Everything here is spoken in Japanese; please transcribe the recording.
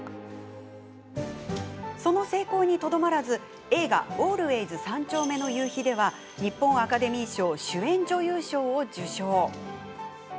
その成功にとどまらず映画「ＡＬＷＡＹＳ三丁目の夕日」で日本アカデミー賞主演女優賞を受賞。